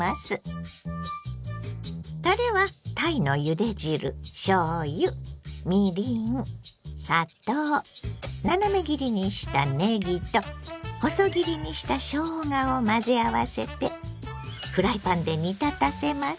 たれはたいのゆで汁しょうゆみりん砂糖斜め切りにしたねぎと細切りにしたしょうがを混ぜ合わせてフライパンで煮立たせます。